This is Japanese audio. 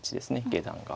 下段が。